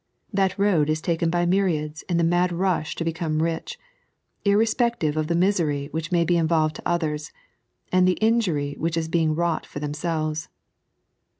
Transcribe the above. That road is taken by myriads in the mad rush to become rich, irrespective of the misery which may be involved to others, and the injury which is being wrought for themselves.